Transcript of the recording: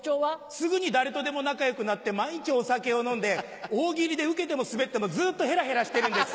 すぐに誰とでも仲良くなって毎日お酒を飲んで大喜利でウケてもスベってもずっとヘラヘラしてるんです。